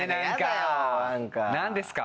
何ですか？